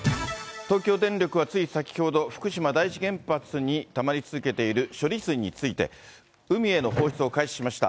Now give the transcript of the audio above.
東京電力はつい先ほど、福島第一原発にたまり続けている処理水について、海への放出を開始しました。